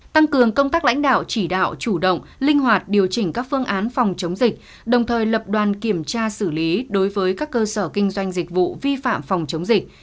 tăng cường công tác lãnh đạo chỉ đạo chủ động linh hoạt điều chỉnh các phương án phòng chống dịch đồng thời lập đoàn kiểm tra xử lý đối với các cơ sở kinh doanh dịch vụ vi phạm phòng chống dịch